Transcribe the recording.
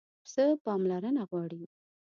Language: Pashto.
پسه پاملرنه غواړي.